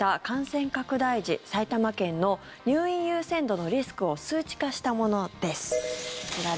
感染拡大時埼玉県の入院優先度のリスクを数値化したものです。